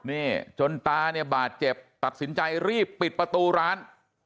นี่จนตาเนี่ยบาดเจ็บตัดสินใจรีบปิดประตูร้าน